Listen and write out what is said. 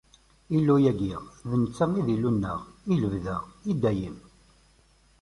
Illu-agi, d netta i d Illu-nneɣ i lebda, i dayem.